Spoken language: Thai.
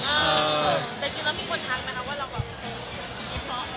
เมื่อกี้แล้วมีคนทางมานะครับว่าเราแบบชิ้นซ้อม